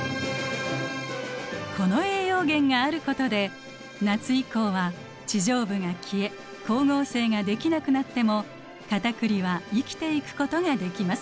この栄養源があることで夏以降は地上部が消え光合成ができなくなってもカタクリは生きていくことができます。